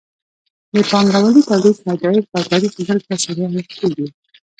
د پانګوالي تولید پیدایښت او تاریخ دلته څیړل کیږي.